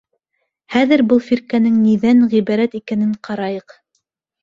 Хәҙер был фирҡәнең ниҙән ғибәрәт икәнен ҡарайыҡ.